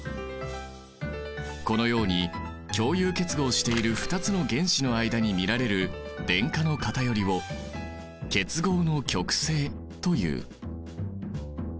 このように共有結合している２つの原子の間に見られる電荷の偏りを結合の極性という。